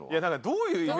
どういう意味？